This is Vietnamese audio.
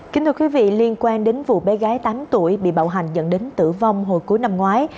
kính thưa quý vị liên quan đến vụ bé gái tám tuổi bị bạo hành dẫn đến tử vong hồi cuối năm ngoái